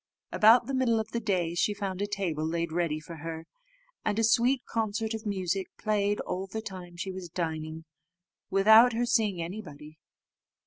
About the middle of the day she found a table laid ready for her, and a sweet concert of music played all the time she was dining, without her seeing anybody.